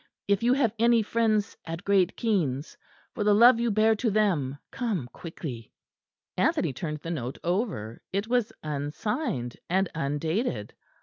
If you have any friends at Great Keynes, for the love you bear to them, come quickly." Anthony turned the note over; it was unsigned, and undated.